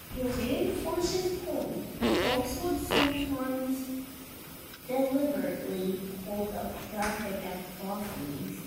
To reinforce his point, Boaks would sometimes deliberately hold up traffic at crossings.